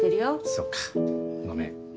そっかごめん。